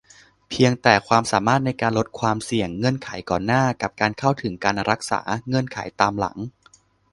เพียงแต่ "ความสามารถในการลดความเสี่ยง" เงื่อนไขก่อนหน้า กับ "การเข้าถึงการรักษา" เงื่อนไขตามหลัง